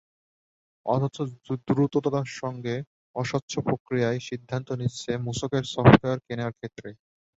অথচ দ্রুততার সঙ্গে অস্বচ্ছ প্রক্রিয়ায় সিদ্ধান্ত নিচ্ছে মূসকের সফটওয়্যার কেনার ক্ষেত্রে।